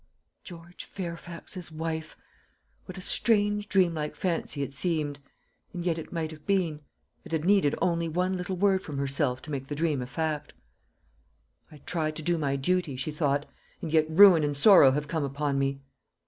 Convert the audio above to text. George Fairfax's wife! What a strange dreamlike fancy it seemed! And yet it might have been; it had needed only one little word from herself to make the dream a fact. "I tried to do my duty," she thought, "and yet ruin and sorrow have come upon me."